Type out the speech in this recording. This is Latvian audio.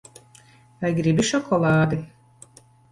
Vai gribi šokolādi?